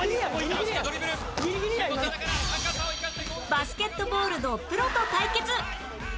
バスケットボールのプロと対決！